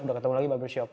udah ketemu lagi barber shop